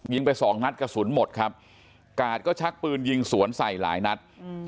ไปสองนัดกระสุนหมดครับกาดก็ชักปืนยิงสวนใส่หลายนัด